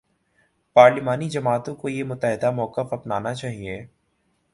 پارلیمانی جماعتوں کو یہ متحدہ موقف اپنانا چاہیے۔